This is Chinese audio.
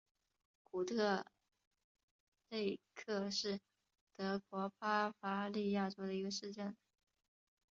古特内克是德国巴伐利亚州的一个市镇。